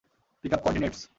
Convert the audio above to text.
Pick up coordinates?